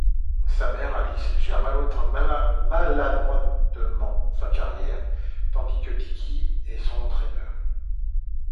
Sa mère Alice gère maladroitement sa carrière, tandis que Dickie est son entraineur.